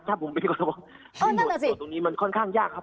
ถ้าผมเป็นกรทบที่หมดตรงนี้มันค่อนข้างยากครับ